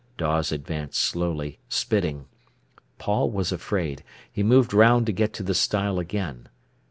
Dawes advanced slowly, spitting. Paul was afraid; he moved round to get to the stile again.